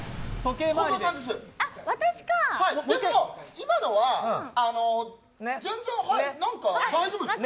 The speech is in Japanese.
今のは、全然はい、なんか大丈夫ですね。